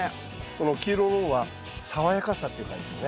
この黄色の方は爽やかさっていう感じですね。